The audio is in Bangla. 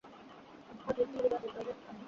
আপনি শ্রীনিবাসন, তাই-না?